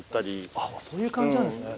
もうそういう感じなんですね。